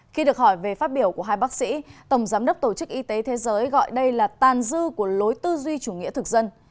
khi được hỏi về phát biểu của hai bác sĩ tổng giám đốc tổ chức y tế thế giới gọi đây là tàn dư của lối tư duy chủ nghĩa thực dân